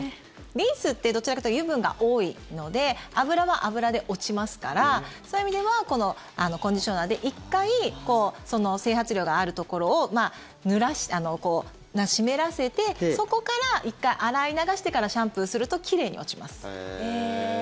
リンスってどちらかというと油分が多いので油は油で落ちますからそういう意味ではこのコンディショナーで１回整髪料があるところを湿らせてそこから１回洗い流してからシャンプーすると奇麗に落ちます。